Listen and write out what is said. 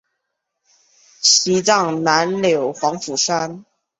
赐葬南柳黄府山。